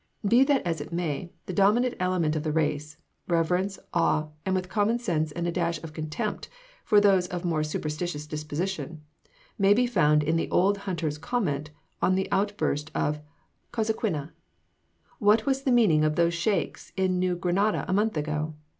Be that as it may, the dominant element of the race reverence, awe, and with common sense and a dash of contempt for those of more superstitious disposition, may be found in the old hunter's comment on the outburst of Cosequina: "What was the meaning of those shakes in New Granada a month agone?